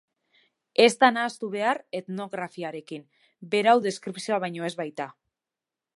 Ez da nahastu behar etnografiarekin: berau deskripzioa baino ez baita.